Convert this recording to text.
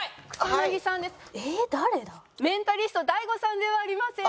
誰だ？メンタリストＤａｉＧｏさんではありません。